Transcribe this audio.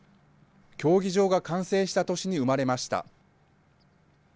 競技場が完成した年に生まれました。